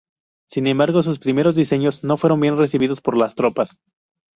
Sin embargo, sus primeros diseños no fueron bien recibidos por las tropas.